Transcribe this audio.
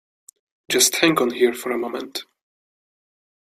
Just hang on here for a moment.